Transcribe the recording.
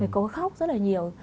cô ấy khóc rất là nhiều